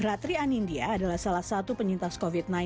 ratrian india adalah salah satu penyintas covid sembilan belas